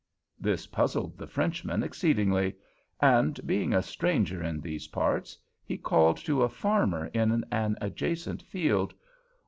This puzzled the Frenchman exceedingly; and, being a stranger in those parts, he called to a farmer in an adjacent field.